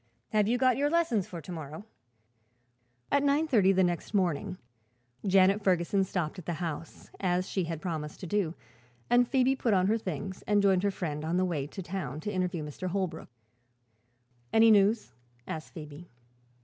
Have you got your lessons for to morrow?" At nine thirty next morning Janet Ferguson stopped at the house, as she had promised to do, and Phoebe put on her things and joined her friend on the way to town, to interview Mr. Holbrook. "Any news?" asked Phoebe.